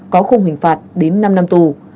có không hình phạt đến năm năm tù